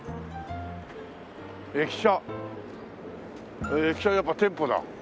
駅舎駅舎やっぱ店舗だこれ。